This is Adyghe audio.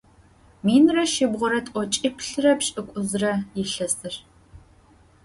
Minre şsibğure t'oç'iplh're pş'ık'uzre yilhesır.